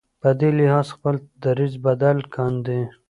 په دې لحاظ خپل دریځ بدل کاندي.